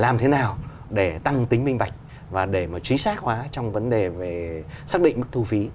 làm thế nào để tăng tính minh bạch và để mà chính xác hóa trong vấn đề về xác định mức thu phí